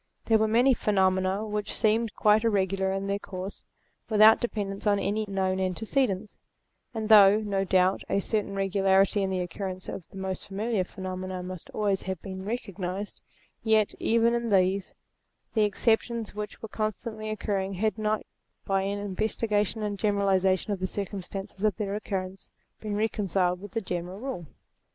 There were many phenomena which seemed quite irregular in their course, without dependence on any known antecedents : and though, no doubt, a certain regularity in the occurrence of the most fami liar phenomena must always have been recognized, REVELATION 223 yet, even in these, the exceptions which were constantly occurring had not yet, by an investigation and generali zation of the circumstances of their occurrence, been reconciled with the general rule.